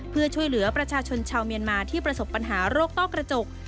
เพื่อช่วยเหลือประชาชนชาวเมียนมาที่ประสบปัญหาโรคต้อกระจก